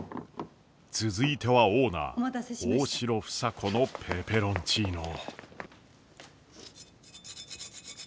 続いてはオーナー大城房子のペペロンチーノ。